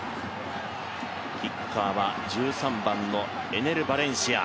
キッカーは１３番のエネル・バレンシア。